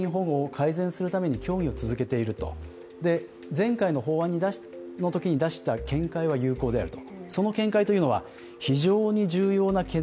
前回の法案のときに出した見解は有効であると。